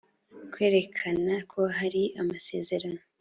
kwerekana ko hari amasezerano